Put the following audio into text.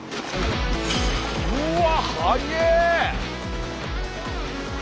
うわっ速え！